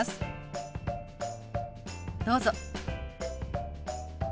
どうぞ。